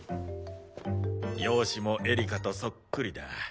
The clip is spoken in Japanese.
容姿もエリカとそっくりだ。